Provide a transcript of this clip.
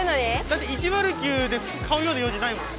だって１０９で買うような用事ないもん。